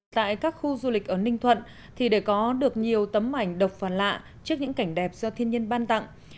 tại các khu du lịch ở ninh thuận thì để có được nhiều tấm ảnh độc phản lạ trước những cảnh đẹp do thiên nhiên ban tặng